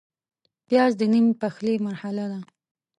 پیاز د نیم پخلي مرحله ده